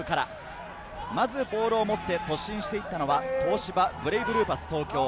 マッケンジーのキックからまずボールを持って、突進していたのは東芝ブレイブルーパス東京。